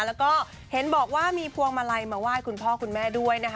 แล้วก็เห็นบอกว่ามีพวงมาลัยมาไหว้คุณพ่อคุณแม่ด้วยนะคะ